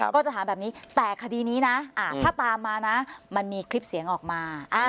ก็จะถามแบบนี้แต่คดีนี้นะถ้าตามมานะมันมีคลิปเสียงออกมา